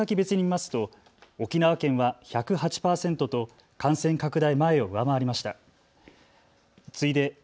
移動先別に見ますと沖縄県は１０８％と感染拡大前を上回りました。